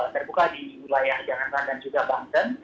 terbuka di wilayahjegoi jakarta dan juga bangken